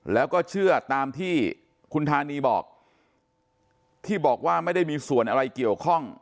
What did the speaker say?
แล้วก็เชื่อตามที่คุณธานีบอกที่บอกว่าไม่ได้มีส่วนอะไรเกี่ยวข้อง